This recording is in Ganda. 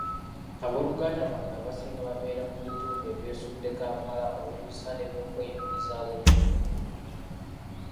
Abooluganda bange abasinga babeera mu bitundu ebyesudde Kampala olw'ebisale by'okweyimirizaawo ebiri waggulu.